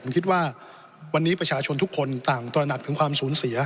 ผมคิดว่าวันนี้ประชาชนทุกคนต่างตระหนักถึงความสูญเสีย